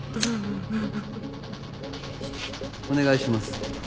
お願いします。